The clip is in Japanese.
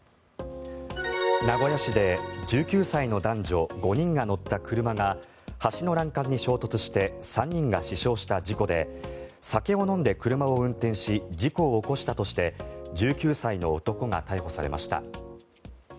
名古屋市で１９歳の男女５人が乗った車が橋の欄干に衝突して３人が死傷した事故で酒を飲んで車を運転し事故を起こしたとして１９歳の男が逮捕されました。